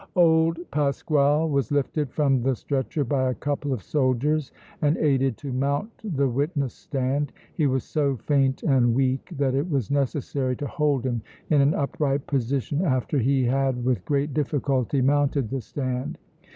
Old Pasquale was lifted from the stretcher by a couple of soldiers and aided to mount the witness stand. He was so faint and weak that it was necessary to hold him in an upright position after he had with great difficulty mounted the stand.